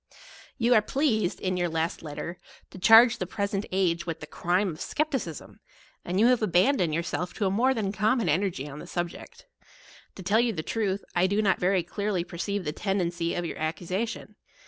You are pleased, in your last letter, to charge the present age with the crime of skepticism ; and you have abandoned your self to a more than common energy on the subject. To tell you the truth, J do not veiy clearly perceive the tendency of your accusa tion.